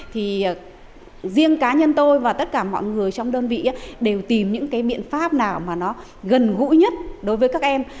thì riêng cá nhân tôi và tất cả mọi người trong đơn vị đều tìm những cái biện pháp nào mà nó gần gũi nhất đối với các em